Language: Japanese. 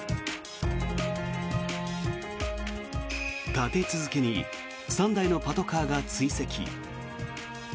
立て続けに３台のパトカーが追跡。